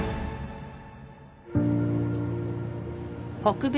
北米